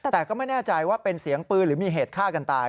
แต่ก็ไม่แน่ใจว่าเป็นเสียงปืนหรือมีเหตุฆ่ากันตาย